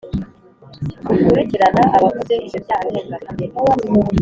rukurikirana abakoze ibyo byaha ndengakamere?